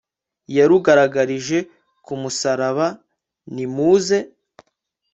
yarugaragarije ku musaraba, nimuze